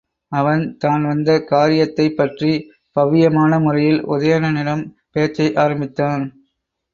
அவன் தான் வந்த காரியத்தைப் பற்றிப் பவ்வியமான முறையில் உதயணனிடம் பேச்சை ஆரம்பித்தான்.